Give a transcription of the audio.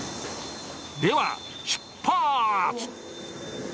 では、出発！